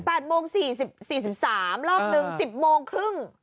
โมงสี่สิบสี่สิบสามรอบหนึ่งสิบโมงครึ่ง